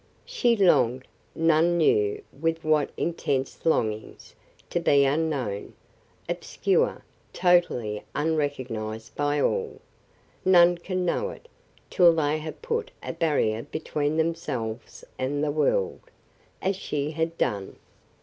She longed, none knew with what intense longings, to be unknown, obscure, totally unrecognized by all; none can know it, till they have put a barrier between themselves and the world, as she had done.